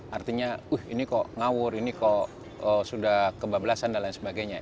artinya wih ini kok ngawur ini kok sudah kebablasan dan lain sebagainya